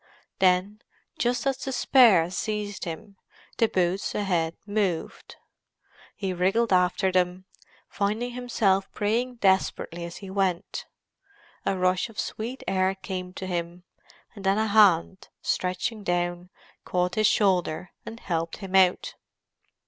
Then, just as despair seized him, the boots ahead moved. He wriggled after them, finding himself praying desperately as he went. A rush of sweet air came to him, and then a hand, stretching down, caught his shoulder, and helped him out.